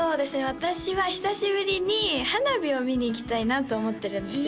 私は久しぶりに花火を見に行きたいなと思ってるんですよ